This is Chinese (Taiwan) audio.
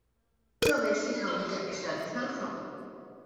作為系統改善參考